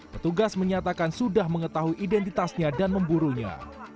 petugas menyatakan sudah mengetahui identitasnya dan memburunya